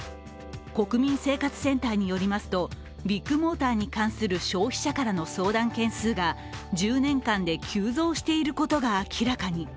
国民生活センターによりますとビッグモーターに関する消費者からの相談件数が１０年間で急増していることが明らかに。